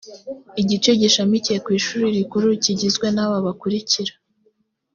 igice gishamikiye ku ishuri rikuru kigizwe n’aba bakurikira